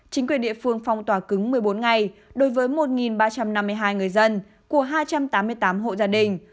chính quyền địa phương phong tỏa cứng một mươi bốn ngày đối với một ba trăm năm mươi hai người dân của hai trăm tám mươi tám hộ gia đình